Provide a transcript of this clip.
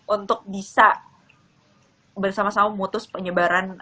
untuk bisa bersama sama memutus penyebaran